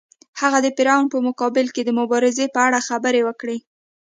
هغه د فرعون په مقابل کې د مبارزې په اړه خبرې وکړې.